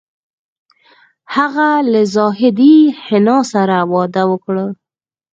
هغه له زاهدې حنا سره واده وکړ